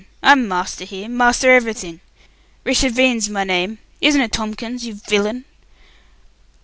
I'm master here. Master everything. Richard 'Vine's my name. Isn't it, Tomkins, you villain?"